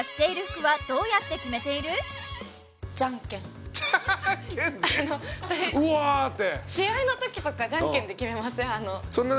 うわーってあの私試合のときとかじゃんけんで決めません？